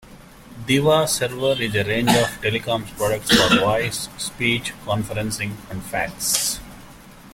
Diva Server is a range of telecoms products for voice, speech, conferencing and fax.